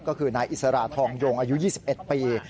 ก็คือนายอิสระทองยงอายุ๒๑ปี